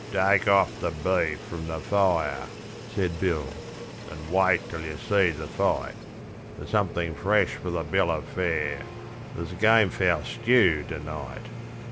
'Take off the beef from the fire,' said Bill, 'and wait till you see the fight; There's something fresh for the bill of fare there's game fowl stew to night!